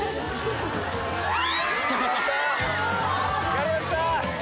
やりました！